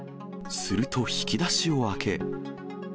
すると引き出しを開け。